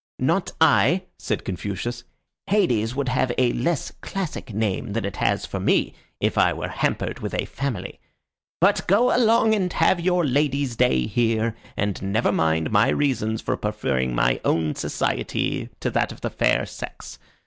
"Not I," said Confucius. "Hades would have a less classic name than it has for me if I were hampered with a family. But go along and have your ladies' day here, and never mind my reasons for preferring my own society to that of the fair sex.